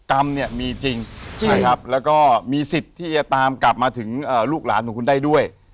กรรมเนี่ยมีจริงนะครับแล้วก็มีสิทธิ์ที่จะตามกลับมาถึงลูกหลานของคุณได้ด้วย